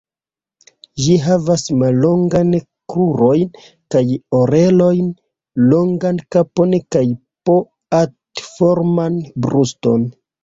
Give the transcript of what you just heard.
Ĝi havas mallongajn krurojn kaj orelojn, longan kapon kaj p,atforman bruston.